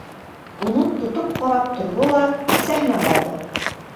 Уны тотоп ҡарап торҙо ла кеҫәһенә һалды.